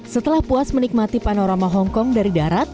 setelah puas menikmati panorama hongkong dari darat